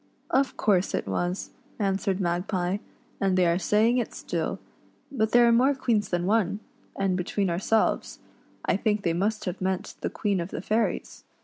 "Of course it was," answered Magpie, "and they are 92 REDCAP'S ADVENTURES IN FAIRYLAND. saying it still ; but there are more queens than one, and, between ourselves, I think they must have meant the Queen of the Fairies.